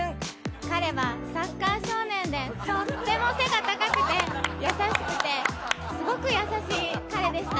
彼はサッカー少年でとっても背が高くて優しくて、すごく優しい彼でした。